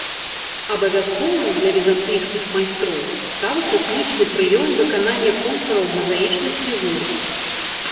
Абавязковым для візантыйскіх майстроў стаў тэхнічны прыём выканання контураў мазаічных фігур.